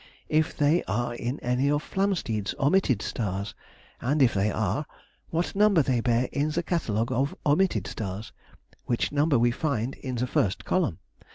if they are in any of Flamsteed's omitted stars, and if they are, what number they bear in the catalogue of omitted stars, which number we find in the first column.